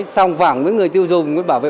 sòng phẳng với người tiêu dùng bảo vệ